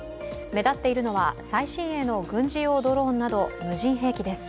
目立っているのは最新鋭の軍事用ドローンなど、無人兵器です。